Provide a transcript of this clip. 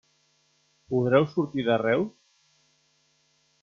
Podreu sortir de Reus?